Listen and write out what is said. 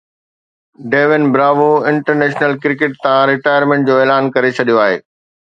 ڊيوين Bravo international cricket تان retirement جو اعلان ڪري ڇڏيو آهي